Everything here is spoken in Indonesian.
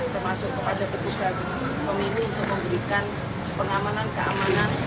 termasuk kepada petugas pemilu untuk memberikan pengamanan keamanan